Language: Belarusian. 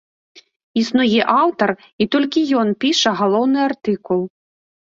Існуе аўтар, і толькі ён піша галоўны артыкул.